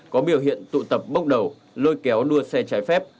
có biểu hiện tụ tập bóc đầu lôi kéo đua xe trái phép